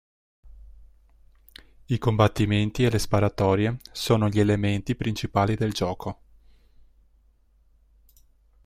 I combattimenti e le sparatorie sono gli elementi principali del gioco.